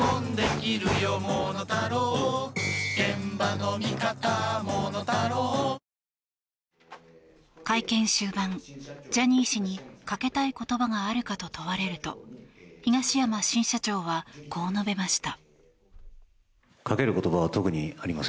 紙パンツ用パッドは「ライフリー」会見終盤、ジャニー氏にかけたい言葉があるかと問われると東山新社長はこう述べました。